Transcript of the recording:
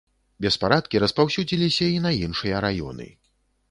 Беспарадкі распаўсюдзіліся і на іншыя раёны.